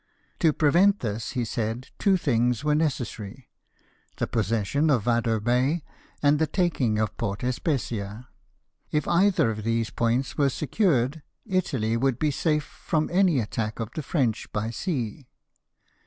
To prevent this, he said two things were necessary — the possession of Yado Bay, and the taking of Port Especia, If either of these points were 96 LIFE OF NELSON, secured, Italy would be safe from any attack of the French by sea.